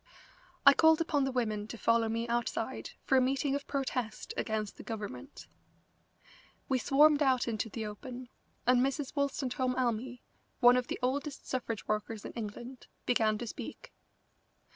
I called upon the women to follow me outside for a meeting of protest against the government. We swarmed out into the open, and Mrs. Wolstenholm Elmy, one of the oldest suffrage workers in England, began to speak.